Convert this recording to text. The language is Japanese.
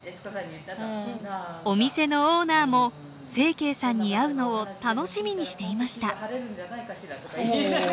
お店のオーナーも晴惠さんに会うのを楽しみにしていました。